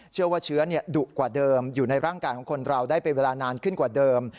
เชื่อว่าเชื้อดุกว่าเดิมอยู่ในร่างกายของคนเราได้เป็นเวลานานขึ้นกว่าเดิม